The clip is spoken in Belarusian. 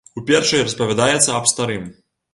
У першай распавядаецца аб старым.